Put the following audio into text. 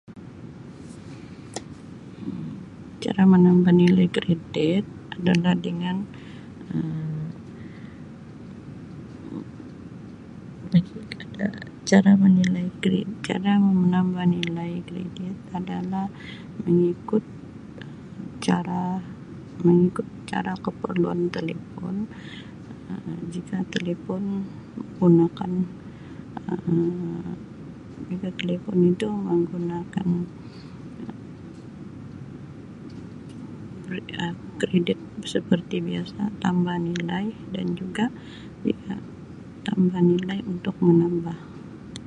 Cara menambah nilai keridit adalah dengan Um [unintelligible] cara menilai keridit cara menambah nilai keridit adalah mengikut cara mengikut cara keperluan telefon jika telefon menggunakan Um jika telefon itu menggunakan Um kredit seperti biasa tambah nilai dan juga [unintelligible] tambah nilai untuk menambah.